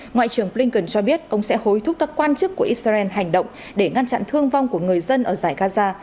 ngoại trưởng blinken cho biết ông sẽ hối thúc các quan chức của israel hành động để ngăn chặn thương vong của người dân ở giải gaza